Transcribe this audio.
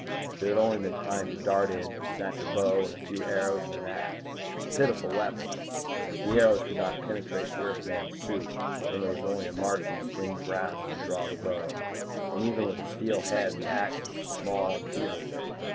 There had only been time to dart in, snatch a bow and a few arrows and an axe. Pitiful weapons the arrows could not penetrate the Earthman's suit when there was only a Martian's thin grasp to draw the bow, and even with a steel head the axe was a small and feeble thing.